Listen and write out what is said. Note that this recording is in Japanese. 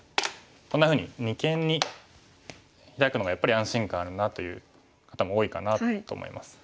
こんなふうに二間にヒラくのがやっぱり安心感あるなという方も多いかなと思います。